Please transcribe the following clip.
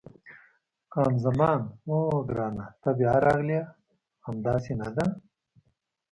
خان زمان: اوه، ګرانه ته بیا راغلې! همداسې نه ده؟